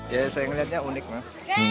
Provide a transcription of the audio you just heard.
ya saya melihatnya unik mas